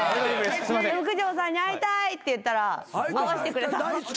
★九条さんに会いたいって言ったら会わせてくれた。